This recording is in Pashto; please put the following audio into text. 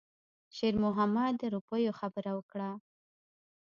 شېرمحمد د روپیو خبره وکړه.